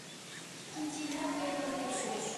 ئىككىنچى، نەق مەيداندا تەكشۈرۈش.